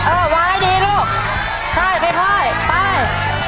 ๓เออวางให้ดีลูกใช่ไปไป